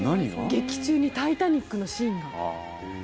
劇中に「タイタニック」のシーンが。